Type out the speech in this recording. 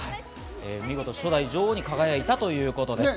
見事、初代女王に輝いたということです。